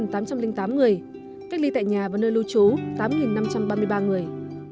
cách ly tại nhà và nơi lưu trú tám năm trăm ba mươi ba người